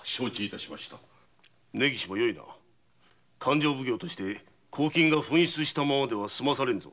根岸もよいな勘定奉行として公金が紛失したままでは済まされぬぞ。